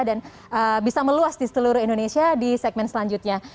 dan bisa meluas di seluruh indonesia di segmen selanjutnya